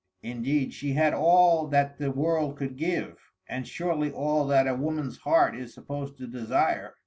Indeed, she had all that the world could give, and surely all that a woman's heart is supposed to desire.